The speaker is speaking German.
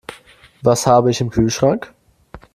Was habe ich im Kühlschrank?